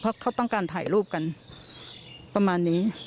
เพราะเขาต้องการถ่ายรูปกันประมาณนี้